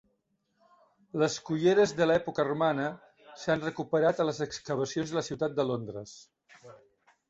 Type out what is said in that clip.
Les culleres de l"època romana s"han recuperat a les excavacions de la ciutat de Londres.